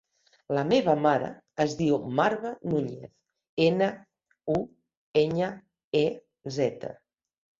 La meva mare es diu Marwa Nuñez: ena, u, enya, e, zeta.